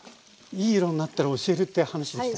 いい色になったら教えるって話でしたね。